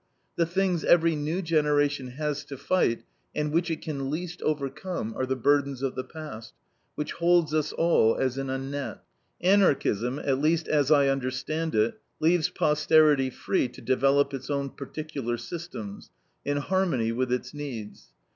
The things every new generation has to fight, and which it can least overcome, are the burdens of the past, which holds us all as in a net. Anarchism, at least as I understand it, leaves posterity free to develop its own particular systems, in harmony with its needs.